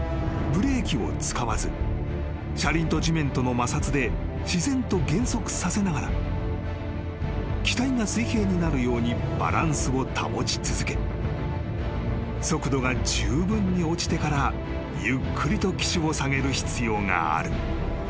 ブレーキを使わず車輪と地面との摩擦で自然と減速させながら機体が水平になるようにバランスを保ち続け速度がじゅうぶんに落ちてからゆっくりと機首を下げる必要がある］